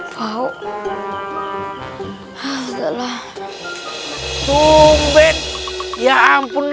gaya penganggejar kok bikin